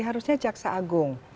harusnya jaksa agung